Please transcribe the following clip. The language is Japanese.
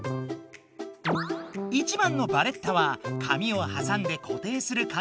１番の「バレッタ」はかみをはさんで固定するかみ